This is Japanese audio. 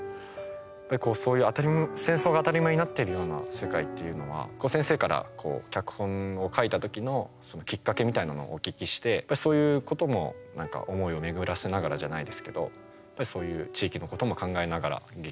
やっぱりそういう戦争が当たり前になっているような世界っていうのは先生から脚本を書いた時のきっかけみたいなのをお聞きしてそういうことも何か思いを巡らせながらじゃないですけどそういう地域のことも考えながら劇にしましたね。